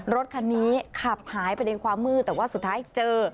รถคันนี้ขับหายไปในความมืดแต่ว่าสุดท้ายเจอ